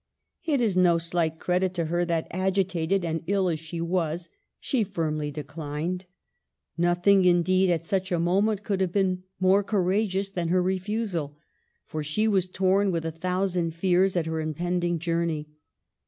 It is no slight credit to her that, agitated and ill as she was, she firmly declined. Nothing, indeed, at such a moment ' could have been more courageous than her re fusal, for she was torn with a thousand fears at her impending journey.